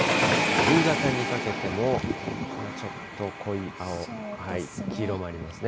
夕方にかけても、ちょっと濃い青、黄色もありますね。